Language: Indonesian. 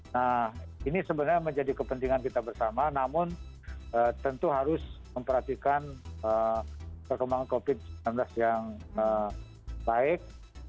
nah ini sebenarnya menjadi kepentingan kita bersama namun tentu harus memperhatikan perkembangan covid sembilan belas yang baik